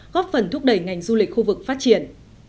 góp phần thúc đẩy ngành du lịch khu vực phát triển